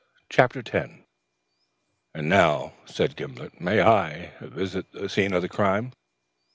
CHAPTER X "And now," said Gimblet, "may I visit the scene of the crime?"